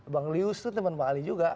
bang lius itu teman bang ali juga